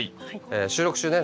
収録中ね